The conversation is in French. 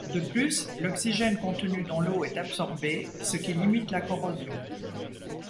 De plus, l'oxygène contenu dans l'eau est absorbé, ce qui limite la corrosion.